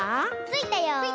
ついたよ！